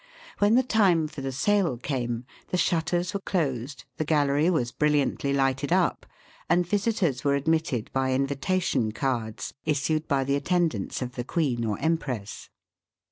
When the time for the sale came, the shutters were closed, the gallery was brilliantly lighted up, and visitors were admitted by invitation cards issued by the attendants of the Queen or Empress.